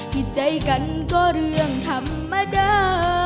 ผิดใจกันก็เรื่องธรรมดา